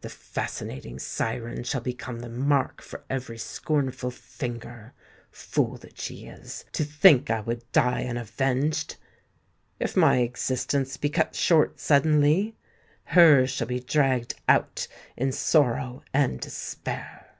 The fascinating syren shall become the mark for every scornful finger. Fool that she is—to think I would die unavenged! If my existence be cut short suddenly—hers shall be dragged out in sorrow and despair."